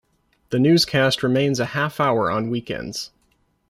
The newscast remains a half-hour on weekends.